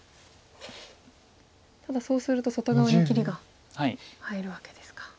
ただそうすると外側に切りが入るわけですか。